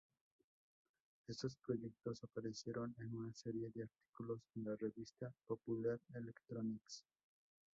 Estos proyectos aparecieron en una serie de artículos en la revista "Popular Electronics".